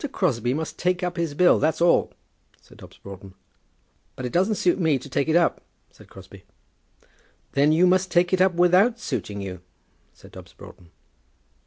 Crosbie must take up his bill; that's all," said Dobbs Broughton. "But it doesn't suit me to take it up," said Crosbie. "Then you must take it up without suiting you," said Dobbs Broughton.